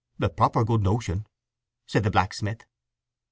"A proper good notion," said the blacksmith.